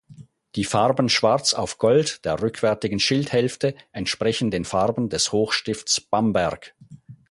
Die Farben Schwarz auf Gold der rückwärtigen Schildhälfte entsprechen den Farben des Hochstifts Bamberg.